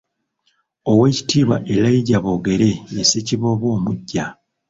Oweekitiibwa Elijah Boogere ye Ssekiboobo omuggya .